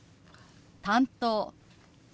「担当」。